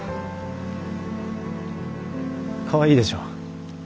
かわいいでしょ？